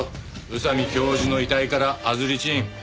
宇佐美教授の遺体からアズリチン。